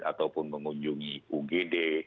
ataupun mengunjungi ugd